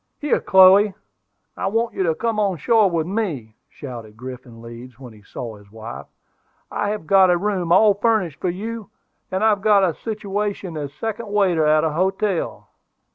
"Here, Chloe, I want you to come on shore with me," shouted Griffin Leeds, when he saw his wife. "I have got a room all furnished for you, and I've got a situation as second waiter at a hotel."